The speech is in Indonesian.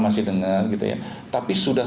masih dengar gitu ya tapi sudah